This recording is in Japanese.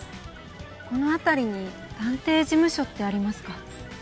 この辺りに探偵事務所ってありますか？